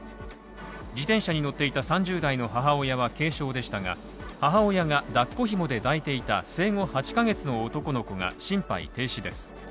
自転車に乗っていた３０代の母親は軽傷でしたが、母親が抱っこ紐で抱いていた生後８ヶ月の男の子が心肺停止です。